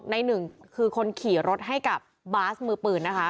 หนึ่งคือคนขี่รถให้กับบาสมือปืนนะคะ